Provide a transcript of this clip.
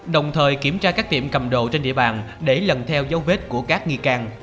đồng thời kiểm tra các tiệm cầm đồ trên địa bàn để lần theo dấu vết của các nghi can